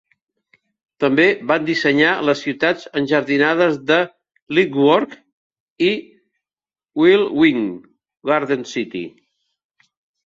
També van dissenyar les ciutats enjardinades de Letchworth i Welwyn Garden City.